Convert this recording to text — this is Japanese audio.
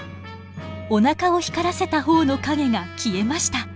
おなかを光らせた方の影が消えました。